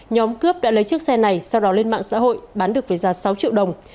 nhóm cướp đã lấy chiếc xe này sau đó lên mạng xã hội bán được với giá sáu triệu đồng